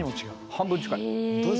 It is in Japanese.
半分近い。